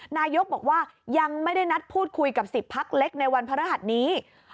นายกบอกว่ายังไม่ได้นัดพูดคุยกับ๑๐พักเล็กในวันพระรหัสนี้